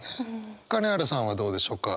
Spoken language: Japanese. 金原さんはどうでしょうか？